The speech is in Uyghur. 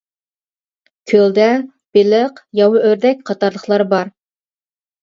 كۆلدە بېلىق، ياۋا ئۆردەك قاتارلىقلار بار.